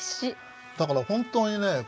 だから本当にね